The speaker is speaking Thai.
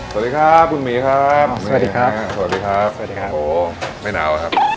สวัสดีครับคุณหมีครับสวัสดีครับสวัสดีครับสวัสดีครับโอ้ไม่หนาวครับ